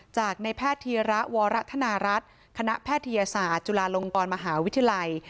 จากในแพทย์ธีระวรธนารัฐคณะแพทยศาสตร์จุฬาลงกรมหาวิทยาลัย